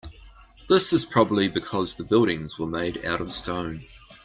This is probably because the buildings were made out of stone.